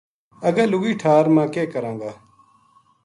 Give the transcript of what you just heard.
اگے لُگی ٹھار ما کے کراں گا ‘‘